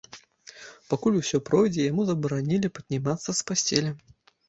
Пакуль усё пройдзе, яму забаранілі паднімацца з пасцелі.